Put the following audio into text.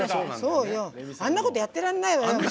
あんなこと、やってられないわよ。